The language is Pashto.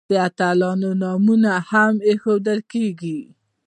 د اتلانو نومونه هم ایښودل کیږي.